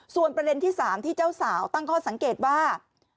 ส่วนประเด็นที่๓ที่เจ้าสาวตั้งข้อสังเกตว่า